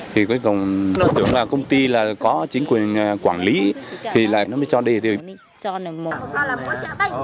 thì cuối cùng nó tưởng là công ty là có chính quyền quản lý thì là nó mới cho đi